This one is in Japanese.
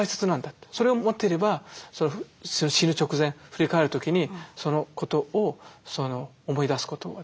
それを持っていれば死ぬ直前振り返る時にそのことを思い出すことはできる。